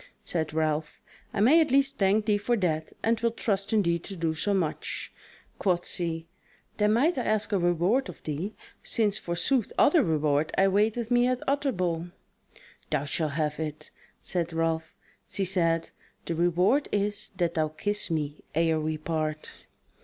Said Ralph: "I may at least thank thee for that, and will trust in thee to do so much." Quoth she: "Then might I ask a reward of thee: since forsooth other reward awaiteth me at Utterbol." "Thou shalt have it," said Ralph. She said: "The reward is that thou kiss me ere we part."